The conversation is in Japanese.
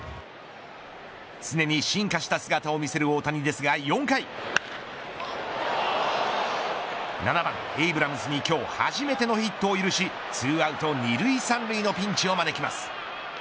常に進化した姿を見せる大谷ですが、４回７番エイブラムズに今日初めてヒットを許し２アウト、２塁３塁のピンチを招きます。